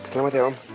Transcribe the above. selamat ya om